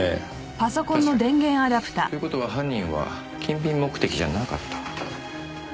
確かに。という事は犯人は金品目的じゃなかった。